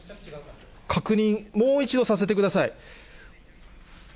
確認、もう一度させてください。